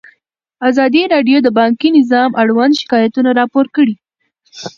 ازادي راډیو د بانکي نظام اړوند شکایتونه راپور کړي.